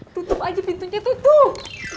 tutup aja pintunya tutup